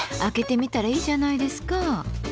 開けてみたらいいじゃないですか。